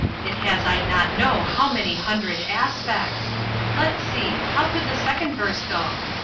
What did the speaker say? It has I don't know how many hundred as pects! Let's see; how could the second verse go?